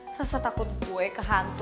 rasa takut gue kehantu